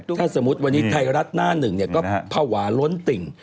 ถ้าสมมุติวันนี้ไทยรัฐหน้าหนึ่งเนี่ยก็ภาวะล้นติ่ง